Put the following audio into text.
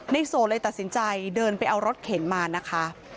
โสดเลยตัดสินใจเดินไปเอารถเข็นมานะคะ